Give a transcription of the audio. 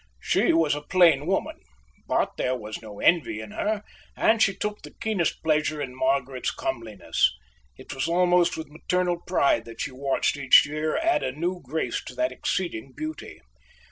She was a plain woman; but there was no envy in her, and she took the keenest pleasure in Margaret's comeliness. It was almost with maternal pride that she watched each year add a new grace to that exceeding beauty.